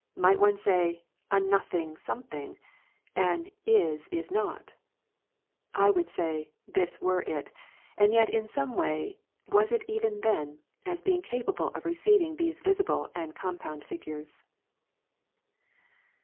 Might one say, "a nothing something," an "is, is not%" I would say, this were it : and yet in some way was it even then, as being capable of re ceiving these visible and compound figixres.